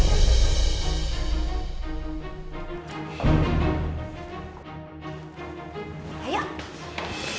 tidak ada apa apa